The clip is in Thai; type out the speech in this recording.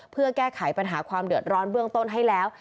เพื่อแก้ไขปัญหาความเดือดร้อนเบื้องต้นให้แล้ว